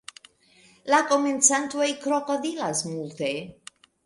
La komencantoj krokodilas multe.